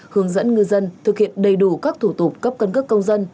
hướng dẫn ngư dân thực hiện đầy đủ các thủ tục cấp căn cấp công dân